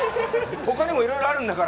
他にもいろいろあるんだから。